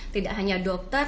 tidak hanya dokter